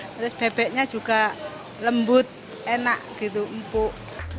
terus bebeknya juga lembut enak gitu empuk